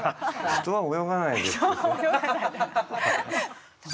人は泳がない。